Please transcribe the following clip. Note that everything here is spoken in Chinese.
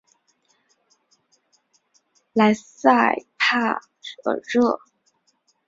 莱塞帕尔热。